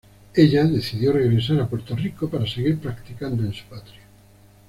Ella decidió regresar a Puerto Rico para seguir practicando en su patria.